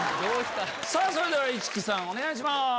それでは市來さんお願いします。